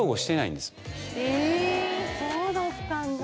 えぇそうだったんだ。